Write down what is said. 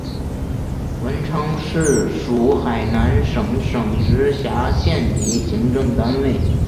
文昌市属海南省省直辖县级行政单位。